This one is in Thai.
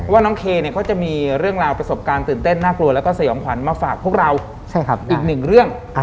ว่าน้องเคเขาจะมีเรื่องราวประสบการณ์ตื่นเต้นน่ากลัวแล้วก็สยองขวัญมาฝากพวกเราอีกหนึ่งเรื่อง